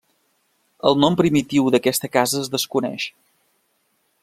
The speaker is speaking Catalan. El nom primitiu d'aquesta casa es desconeix.